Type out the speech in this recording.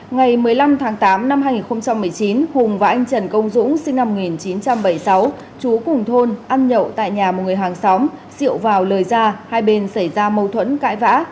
ngày một mươi năm tháng tám năm hai nghìn một mươi chín hùng và anh trần công dũng sinh năm một nghìn chín trăm bảy mươi sáu chú cùng thôn ăn nhậu tại nhà một người hàng xóm rượu vào lời ra hai bên xảy ra mâu thuẫn cãi vã